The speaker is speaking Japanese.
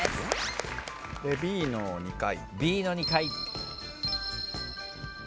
Ｂの２階。